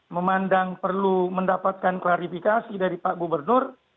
memandang perlu mendapatkan klarifikasi dari pak gubernur